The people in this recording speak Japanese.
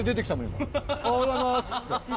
今「おはようございます」って。